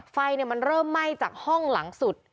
ไฟมันเริ่มไหม้จากห้องหลังสุด